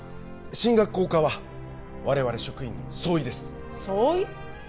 進学校化は我々職員の総意です総意？